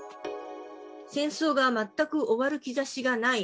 戦争が全く終わる兆しがない。